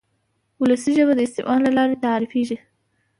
وولسي ژبه د استعمال له لارې تعریفېږي.